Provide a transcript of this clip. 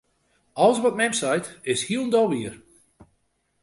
Alles wat mem seit, is hielendal wier.